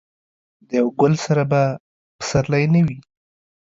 د یو ګل سره به پسرلی نه وي.